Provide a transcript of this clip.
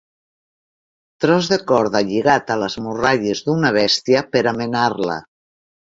Tros de corda lligat a les morralles d'una bèstia per a menar-la.